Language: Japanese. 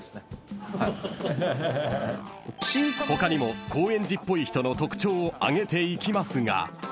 ［他にも高円寺っぽい人の特徴を挙げていきますが］